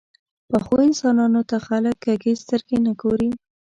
پخو انسانانو ته خلک کږې سترګې نه ګوري